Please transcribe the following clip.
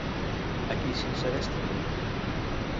A qui s'insereix també?